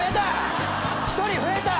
１人増えた！